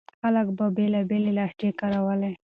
خلک به بېلابېلې لهجې کارولې.